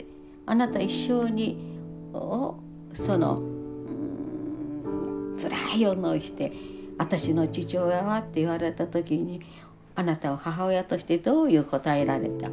あなた一生をそのつらい思いして「私の父親は？」って言われた時にあなたは母親としてどういう答えられた。